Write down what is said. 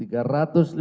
yang setelah dipotong